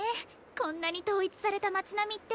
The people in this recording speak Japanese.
こんなに統一された町並みって。